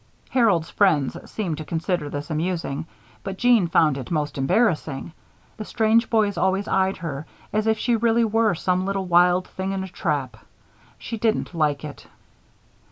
Harold's friends seemed to consider this amusing; but Jeanne found it most embarrassing. The strange boys always eyed her as if she really were some little wild thing in a trap. She didn't like it.